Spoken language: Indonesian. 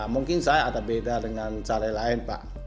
mungkin saya ada beda dengan cara lain pak